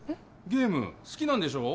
ゲーム好きなんでしょ？